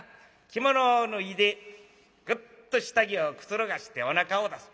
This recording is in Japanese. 着物を脱いでぐっと下着をくつろがしておなかを出す。